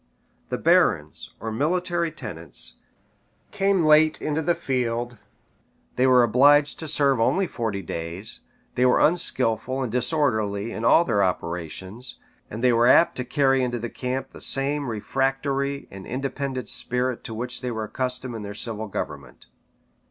The barons, or military tenants, came late into the field; they were obliged to serve only forty days; they were unskilful and disorderly in all their operations; and they were apt to carry into the camp the same refractory and independent spirit to which they were accustomed in their civil government.